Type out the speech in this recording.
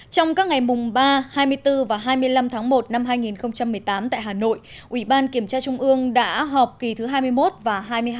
trong các ngày mùng ba hai mươi bốn và hai mươi năm tháng một năm hai nghìn một mươi tám tại hà nội ủy ban kiểm tra trung ương đã họp kỳ thứ hai mươi một và hai mươi hai